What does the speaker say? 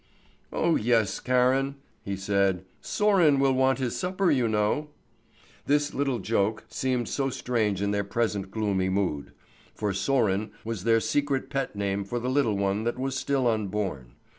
"Oh yes, Karen," he said; "Sören will want his supper, you know." This little joke seemed so strange in their present gloomy mood. For Sören was their secret pet name for the little one that was still unborn.